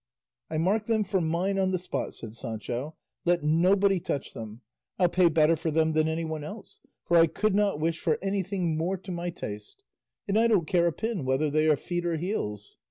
"I mark them for mine on the spot," said Sancho; "let nobody touch them; I'll pay better for them than anyone else, for I could not wish for anything more to my taste; and I don't care a pin whether they are feet or heels."